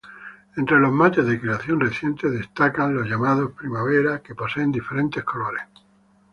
Entre los mates de creación reciente, destacan los llamados primavera, que poseen diferentes colores.